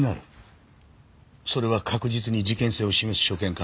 それは確実に事件性を示す所見か？